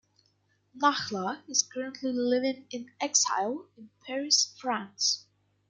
Nahla is currently living in exile in Paris, France.